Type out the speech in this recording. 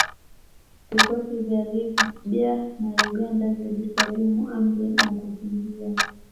Vikosi vya Libya na Uganda vilisalimu amri na kukimbia